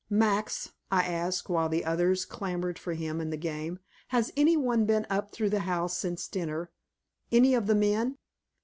"Max," I asked, while the others clamored for him and the game, "has any one been up through the house since dinner? Any of the men?"